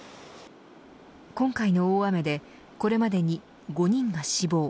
今回の大雨でこれまでに５人が死亡。